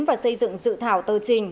và xây dựng sự thảo tờ trình